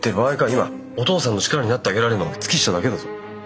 今お父さんの力になってあげられるのは月下だけだぞ。